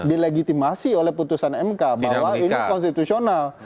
dilegitimasi oleh putusan mk bahwa ini konstitusional